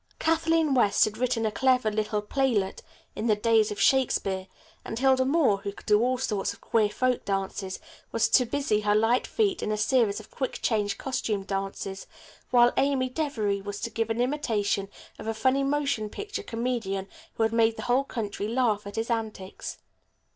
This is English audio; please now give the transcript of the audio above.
Kathleen West had written a clever little playlet "In the Days of Shakespeare," and Hilda Moore, who could do all sorts of queer folk dances, was to busy her light feet in a series of quick change costume dances, while Amy Devery was to give an imitation of a funny motion picture comedian who had made the whole country laugh at his antics.